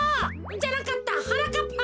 じゃなかったはなかっぱ。